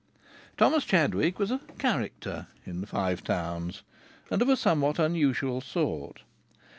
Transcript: Thomas Chadwick was a "character" in the Five Towns, and of a somewhat unusual sort.